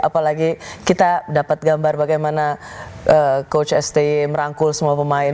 apalagi kita dapat gambar bagaimana coach estate merangkul semua pemain